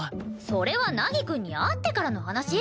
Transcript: それは凪くんに会ってからの話！